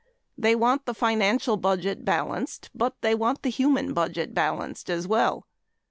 They want the financial budget balanced. But they want the human budget balanced as well.